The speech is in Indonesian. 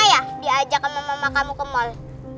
ya di ajak sama mama kamu ke mall